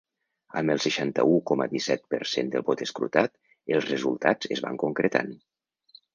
Amb el seixanta-u coma disset per cent del vot escrutat, els resultats es van concretant.